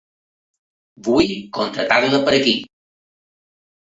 Vull contractar-la per aquí.